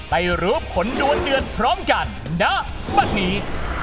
ไปรูปผลดวนเดือนพร้อมกันณแบบนี้